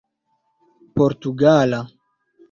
portugala